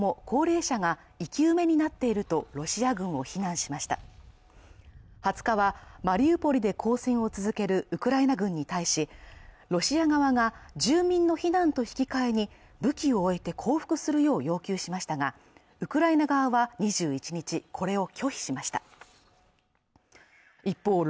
高齢者が生き埋めになっているとロシアを非難しました２０日、マリウポリで抗戦を続けるウクライナ軍に対しロシア側が住民の避難と引き換えに武器を置いて降伏するよう要求しましたがウクライナ側は２１日これを拒否しました一方